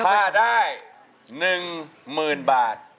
ข้าได้หนึ่งหมื่นบาท